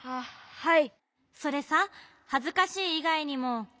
はい。